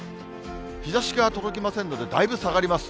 日ざしが届きませんので、だいぶ下がります。